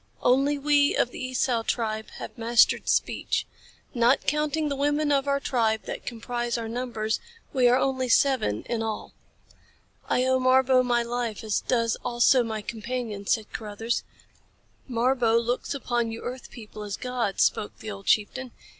Only we of the Esau tribe have mastered speech. Not counting the women of our tribe that comprise our numbers we are only seven in all." "I owe Marbo my life as does also my companion," said Carruthers. "Marbo looks upon you earth people as gods," spoke the old chieftain.